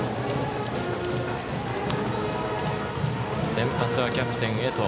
先発はキャプテンの江藤。